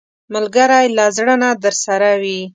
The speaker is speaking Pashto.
ملګری له زړه نه درسره وي